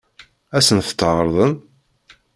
Ad sent-tt-ɛeṛḍen?